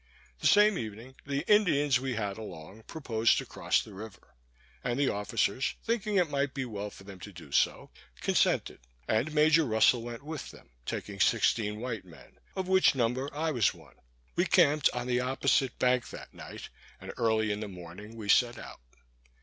The same evening, the Indians we had along proposed to cross the river, and the officers thinking it might be well for them to do so, consented; and Major Russell went with them, taking sixteen white men, of which number I was one. We camped on the opposite bank that night, and early in the morning we set out.